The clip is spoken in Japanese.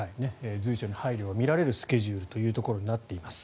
随所に配慮が見られるスケジュールとなっています。